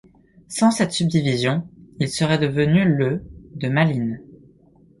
Sans cette subdivision, il serait devenu le de Malines.